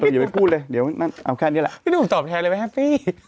อย่าไปพูดเลยเดี๋ยวเอาแค่นี้แหละพี่หนุ่มตอบแทนเลยไหมแฮปปี้